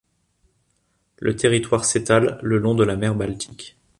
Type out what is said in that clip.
Le territoire s'étale le long de la mer Baltique.